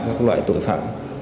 các loại tội phạm